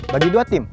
bagi dua tim